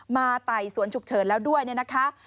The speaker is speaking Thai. มาไต่สวนฉุกเฉินแล้วด้วยนะคะ